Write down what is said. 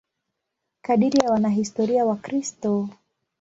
Kadiri ya wanahistoria Wakristo.